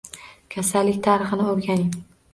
Kasallik tarixini o`rganing